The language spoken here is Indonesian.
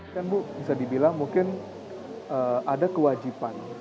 kan bu bisa dibilang mungkin ada kewajiban